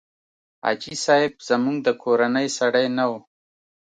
حاجي صاحب زموږ د کورنۍ سړی نه و.